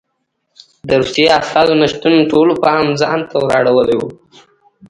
د روسیې استازو نه شتون ټولو پام ځان ته ور اړولی و